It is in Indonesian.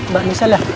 mbak bisa dah